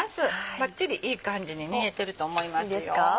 バッチリいい感じに煮えてると思いますよ。